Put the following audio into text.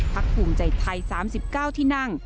ภูมิใจไทย๓๙ที่นั่ง